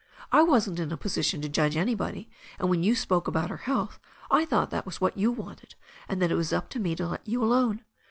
I wasn't in a position to judge any body, and when you spoke about her health I thought that was what you wanted, and that it was up to me to let you alone.